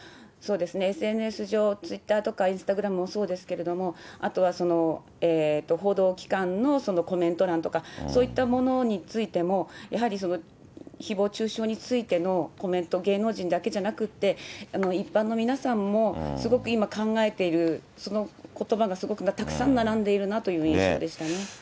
ＳＮＳ上、ツイッターとかインスタグラムもそうですけど、あとは報道機関のコメント欄とか、そういったものについても、やはりひぼう中傷についてのコメント、芸能人だけじゃなくって、一般の皆さんもすごく今、考えている、そのことばがすごくたくさん並んでいるなという印象でしたね。